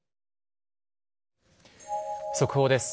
速報です。